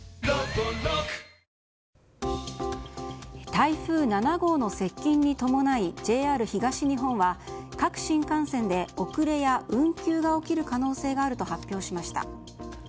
台風７号の接近に伴いＪＲ東日本は各新幹線で遅れや運休が起きる可能性があると発表しました。